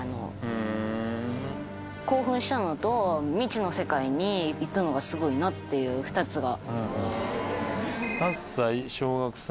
興奮したのと未知の世界に行くのがすごいなっていう２つが。